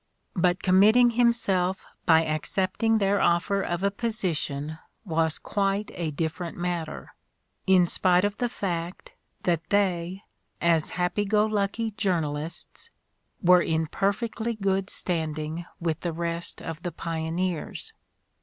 But committing himself by accepting their offer of a position was quite a different matter, in spite of the fact that they, as happy go lucky journalists, were in perfectly good standing with the rest of the pioneers.